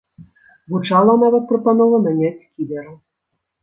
Гучала нават прапанова наняць кілера.